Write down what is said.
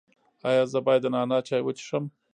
ایا زه باید د نعناع چای وڅښم؟